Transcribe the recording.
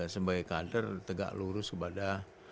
sebagai kader tegak lurus kepada